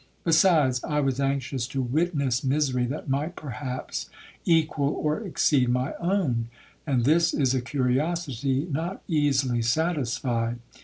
Besides, I was anxious to witness misery that might perhaps equal or exceed my own, and this is a curiosity not easily satisfied.